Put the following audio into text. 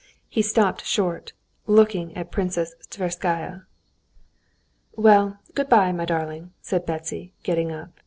He stopped short, looking at Princess Tverskaya. "Well, good bye, my darling," said Betsy, getting up.